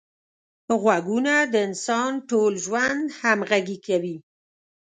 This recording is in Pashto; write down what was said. غوږونه د انسان ټول ژوند همغږي کوي